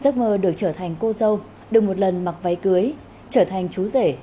giấc mơ được trở thành cô dâu được một lần mặc váy cưới trở thành chú rể